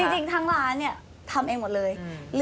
จริงทั้งร้านทำเองหมดเลย